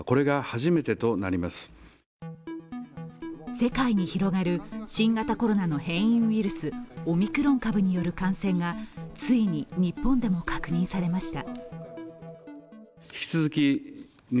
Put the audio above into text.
世界に広がる新型コロナの変異ウイルス、オミクロン株による感染がついに日本でも確認されました。